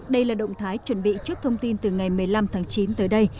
đây là động thái chuẩn bị trước thông tin từ ngày một mươi năm tháng chín tới đây